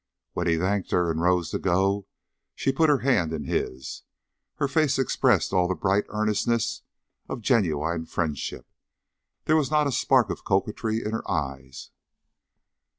When he thanked her and rose to go and she put her hand in his, her face expressed all the bright earnestness of genuine friendship; there was not a sparkle of coquetry in her eyes.